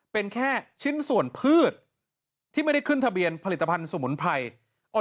เป็นแค่ชิ้นส่วนพืชที่ไม่ได้ขึ้นทะเบียนผลิตภัณฑ์สมุนไพร